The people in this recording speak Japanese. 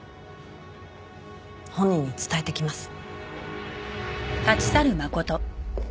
本人に伝えてきます。